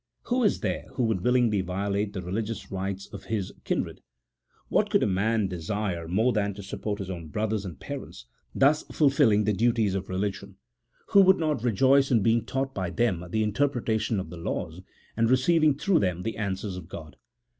Who is there who would willin^lv violate the religious rights of his 234 A THEOLOGICO POLITICAL TREATISE. [CHAP. XVII, kindred ? What could a man desire more than to support his own brothers and parents, thus fulfilling the duties of religion ? Who would not rejoice in being taught by them the interpretation of the laws, and receiving through them the answers of God